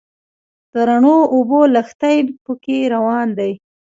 د رڼو اوبو لښتي په کې روان دي.